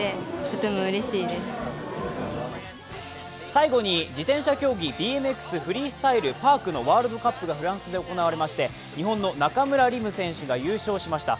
最後に、自転車競技ＢＭＸフリースタイル・パークのワールドカップがフランスで行われまして日本の中村輪夢選手が優勝しました。